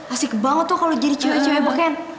asik banget tuh kalo jadi cewek cewek beken